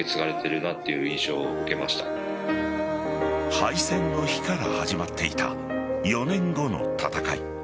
敗戦の日から始まっていた４年後の戦い。